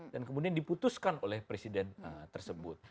kemudian diputuskan oleh presiden tersebut